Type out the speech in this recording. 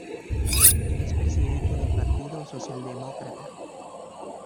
Es presidente del Partido Socialdemócrata.